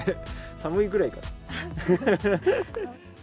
寒いぐらいかも。